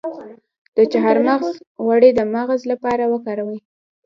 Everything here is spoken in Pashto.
د چارمغز غوړي د مغز لپاره وکاروئ